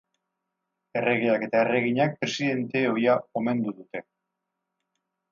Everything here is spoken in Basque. Erregeak eta erreginak presidente ohia omendu dute.